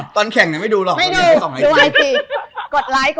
ตอนแข่งไม่ดูหรอก